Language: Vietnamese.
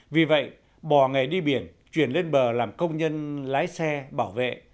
vì vậy bỏ nghề đi biển chuyển lên bờ làm công nhân lái xe bảo vệ